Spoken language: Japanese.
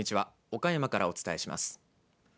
岡山からお伝えします。